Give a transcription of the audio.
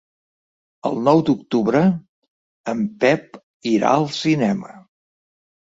El nou d'octubre en Pep irà al cinema.